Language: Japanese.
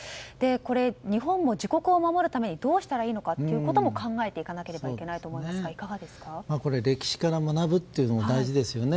これ、日本も自国を守るためにどうしたらいいのか考えていかなければいけないと歴史から学ぶというのも大事ですよね。